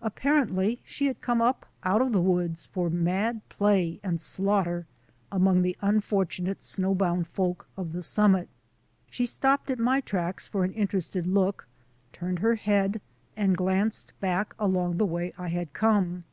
Apparently she had come up out of the woods for mad play and slaughter among the unfortunate snowbound folk of the summit. She stopped at my tracks for an interested look, turned her head, and glanced back along the way I had come.